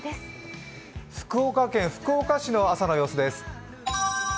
福岡県福岡市の朝の様子です。